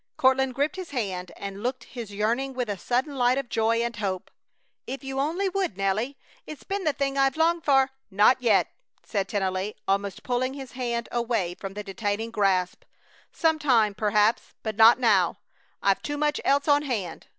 Courtland gripped his hand and looked his yearning with a sudden light of joy and hope: "If you only would, Nelly! It's been the thing I've longed for !" "Not yet!" said Tennelly, almost pulling his hand away from the detaining grasp. "Some time, perhaps, but not now! I've too much else on hand!